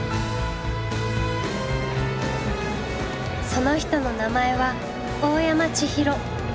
その人の名前は大山千広。